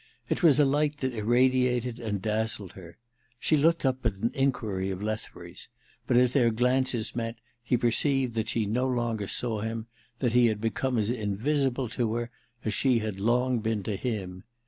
It was a light that irradiated and dazzled her. She looked up at an enquiry of Lethbury's, but as their glances met he perceived that she no longer saw him, that he had become as invisible to her as she had long been to him.